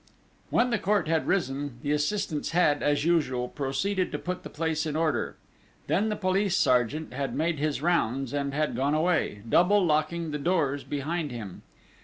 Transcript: When the Court had risen, the assistants had, as usual, proceeded to put the place in order; then the police sergeant had made his rounds, and had gone away, double locking the doors behind him.